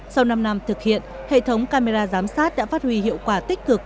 sau năm năm thực hiện hệ thống camera giám sát đã phát huy hiệu quả tích cực